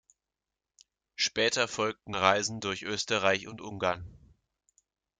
Später folgten Reisen durch Österreich und Ungarn.